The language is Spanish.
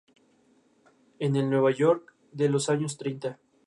Crece en la temporada húmeda y las áreas húmedas, como los humedales y praderas.